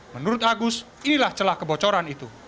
menurut agus inilah celah kebocoran itu